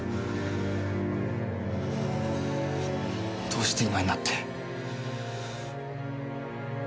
どうして今になって。